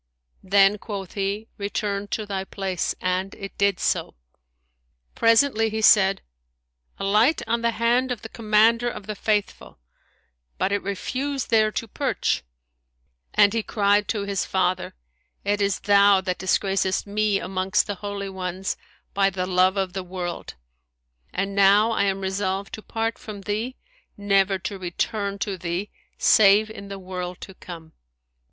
Then quoth he, "Return to thy place;" and it did so. Presently he said, "Alight on the hand of the Commander of the Faithful;" but it refused there to perch, and he cried to his father, "It is thou that disgracest me amongst the Holy[FN#160] Ones, by the love of the world; and now I am resolved to part from thee, never to return to thee, save in the world to come."